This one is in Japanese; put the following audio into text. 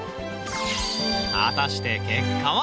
果たして結果は？